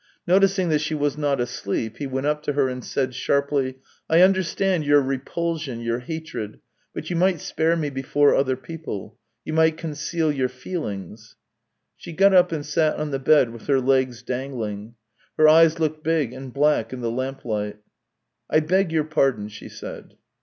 Noticing that she was not asleep, he went up to her and said sharply :" I understand your repulsion, your hatred, but you might spare me before other people ; you might conceal your feelings." She got up and sat on the bed with her legs dangling. Her eyes looked big and black in the lamplight. " I beg your pardon," she said.